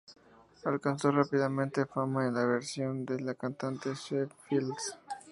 Alcanzó rápidamente fama en la versión del cantante Shep Fields.